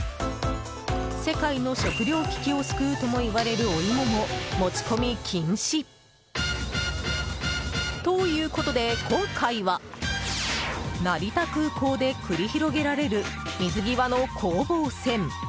世界の食糧危機を救うともいわれるお芋も、持ち込み禁止。ということで今回は成田空港で繰り広げられる水際の攻防戦。